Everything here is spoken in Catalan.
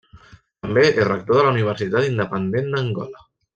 També és rector de la Universitat Independent d'Angola.